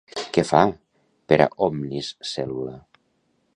Què fa per a Omnis Cellula?